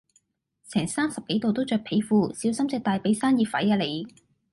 成三十幾度都著皮褲，小心隻大髀生熱痱呀你